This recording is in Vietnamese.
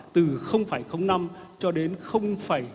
từ năm cho đến